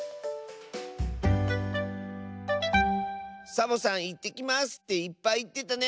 サボさん「いってきます」っていっぱいいってたね。